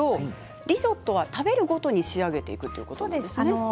リゾットは食べるごとに仕上げていくということですね。